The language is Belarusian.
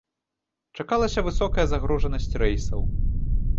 Чакалася высокая загружанасць рэйсаў.